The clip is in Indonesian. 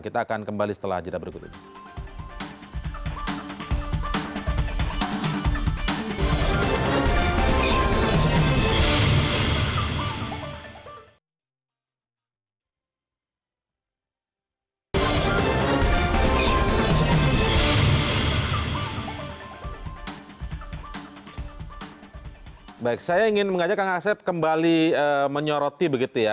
kita akan kembali setelah jadwal berikut ini